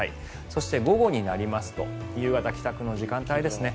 そして、午後になりますと夕方、帰宅の時間帯ですね。